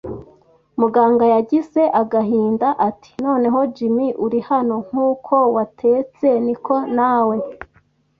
Muganga yagize agahinda ati: “Noneho Jim, uri hano. Nkuko watetse, niko nawe